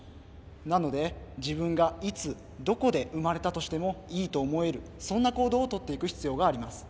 なので自分がいつどこで生まれたとしてもいいと思えるそんな行動をとっていく必要があります。